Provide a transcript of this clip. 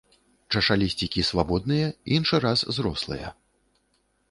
Чашалісцікі свабодныя, іншы раз зрослыя.